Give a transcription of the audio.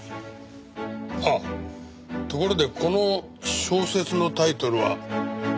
あっところでこの小説のタイトルは？